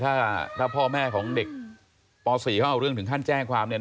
ถ้าพ่อแม่ของเด็กป๔เขาเอาเรื่องถึงขั้นแจ้งความเนี่ย